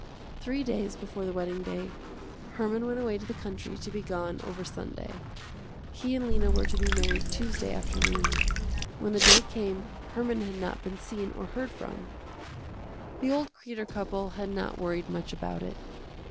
Three days before the wedding day, Herman went away to the country to be gone over Sunday. He and Lena were to be married Tuesday afternoon. When the day came Herman had not been seen or heard from. The old Kreder couple had not worried much about it.